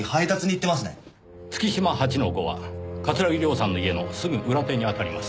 月島８‐５は桂木涼さんの家のすぐ裏手にあたります。